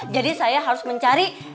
jadi saya harus mencari